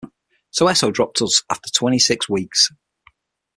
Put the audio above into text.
So Esso dropped us after twenty-six weeks.